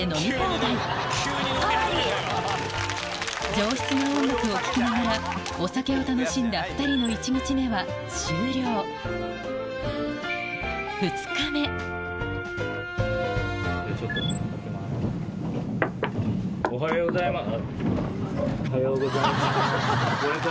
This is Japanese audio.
上質な音楽を聴きながらお酒を楽しんだ２人の１日目は終了おはようございます。